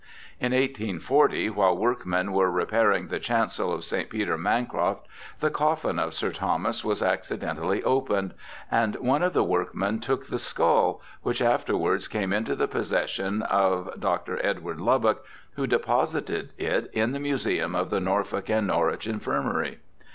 In 1840, while workmen were re pairing the chancel of St. Peter Mancroft, the coffin of Sir Thomas was accidentally opened, and one of the workmen took the skull, which afterwards came into the possession of Dr. Edward Lubbock, who deposited it in the Museum of the Norfolk and Norwich Infirmary.